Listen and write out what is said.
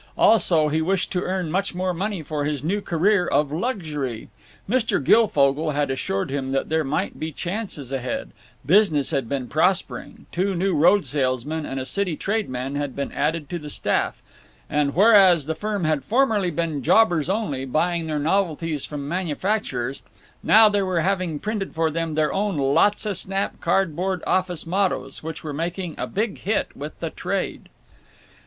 Also, he wished to earn much more money for his new career of luxury. Mr. Guilfogle had assured him that there might be chances ahead—business had been prospering, two new road salesmen and a city trade man had been added to the staff, and whereas the firm had formerly been jobbers only, buying their novelties from manufacturers, now they were having printed for them their own Lotsa Snap Cardboard Office Mottoes, which were making a big hit with the trade.